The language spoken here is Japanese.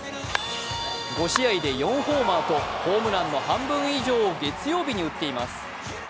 ５試合で４ホーマーとホームランの半分以上を月曜日に打っています。